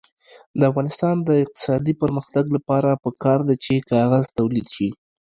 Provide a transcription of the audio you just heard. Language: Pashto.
د افغانستان د اقتصادي پرمختګ لپاره پکار ده چې کاغذ تولید شي.